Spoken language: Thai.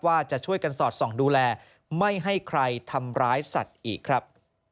ว่าจะช่วยกันสอดส่องดูแลไม่ให้ใครทำร้ายสัตว์อีกครับ